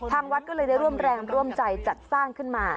วัดก็เลยได้ร่วมแรงร่วมใจจัดสร้างขึ้นมา